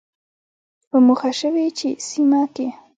په موخه شوې چې سیمه کې